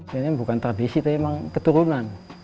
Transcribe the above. ini bukan tradisi tapi memang keturunan